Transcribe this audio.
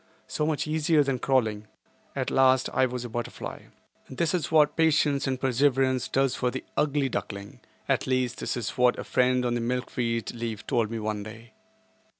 So much easier than crawling. At last I was a butterfly. This is what patience and perseverance does for the "ugly duckling," at least that is what a friend on the milkweed leaf told me one day.